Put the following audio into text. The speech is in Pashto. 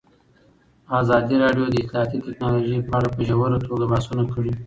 ازادي راډیو د اطلاعاتی تکنالوژي په اړه په ژوره توګه بحثونه کړي.